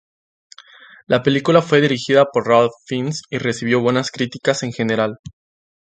La película fue dirigida por Ralph Fiennes y recibió buenas críticas en general.